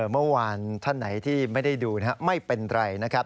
เมื่อวานท่านไหนที่ไม่ได้ดูนะครับไม่เป็นไรนะครับ